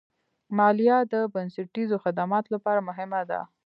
مالیه د بنسټیزو خدماتو لپاره مهمه ده.